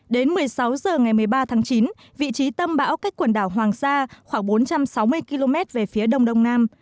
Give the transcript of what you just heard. đến một mươi sáu h ngày một mươi ba tháng chín vị trí tâm bão cách quần đảo hoàng sa khoảng bốn trăm sáu mươi km về phía đông đông nam